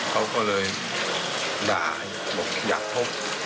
เขาก็เลยด่าบอกอยากชก